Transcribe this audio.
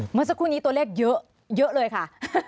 เมื่อสักครู่นี้ตัวเลขเยอะเลยค่ะ